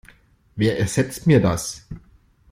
Wer ersetzt mir das?